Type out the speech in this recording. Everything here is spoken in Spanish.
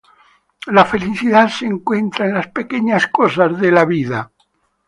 La felicidad se encuentra en las pequeñas cosas de la vida.